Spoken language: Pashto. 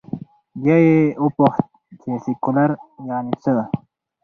بیا یې وپوښت، چې سیکولر یعنې څه؟